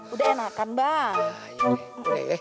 udah enakan bang